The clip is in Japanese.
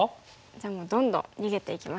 じゃあもうどんどん逃げていきます。